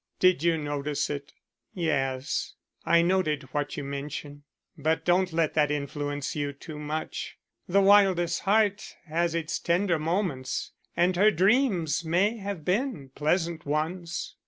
Did you note it?" "Yes, I noted what you mention. But don't let that influence you too much. The wildest heart has its tender moments, and her dreams may have been pleasant ones." Mr.